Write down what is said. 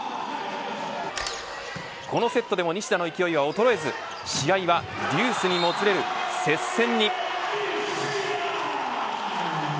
このセットでも西田の勢いが衰えず試合はデュースにもつれる接戦に。